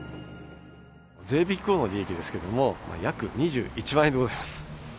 税引き後の利益ですけれども、約２１万円でございます。